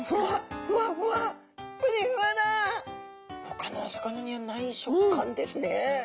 ほかのお魚にはない食感ですね。